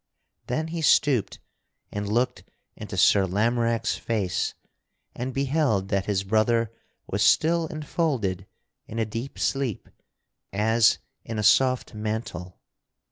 Then he stooped and looked into Sir Lamorack's face and beheld that his brother was still enfolded in a deep sleep as in a soft mantle.